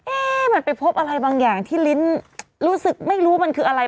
เอ๊ะมันไปพบอะไรบางอย่างที่ลิ้นรู้สึกไม่รู้มันคืออะไร